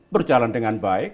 berjalan dengan baik